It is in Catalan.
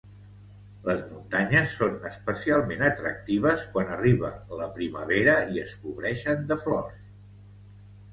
Les muntanyes són especialment atractives quan arriba la primavera i es cobreixen de flors.